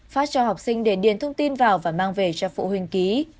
phát cho học sinh để điền thông tin vào và mang về cho phụ huynh ký